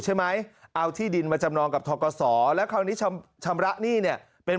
ใช่ไหมเอาที่ดินมาจำนองกับทกศแล้วคราวนี้ชำระหนี้เนี่ยเป็น